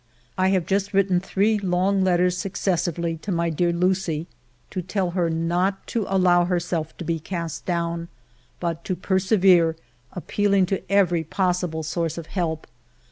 I have just written three long letters succes sively to my dear Lucie, to tell her not to allow herself to be cast down, but to persevere, appeal ing to every possible source of help.